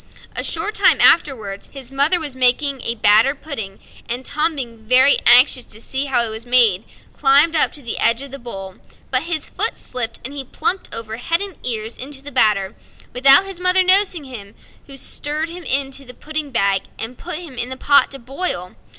A short time afterwards his mother was making a batter pudding, and Tom, being anxious to see how it was made, climbed up to the edge of the bowl; but his foot slipped, and he plumped over head and ears into the batter, without his mother noticing him, who stirred him into the pudding bag, and put him in the pot to boil.